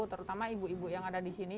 terutama ibu ibu yang ada di sini